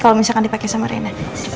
kalo misalkan dipake sama rena